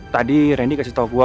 tadi rini kasih tau gue